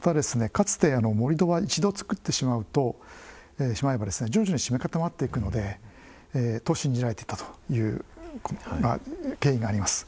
かつて盛土は一度造ってしまえば徐々に締め固まっていくと信じられていたという経緯があります。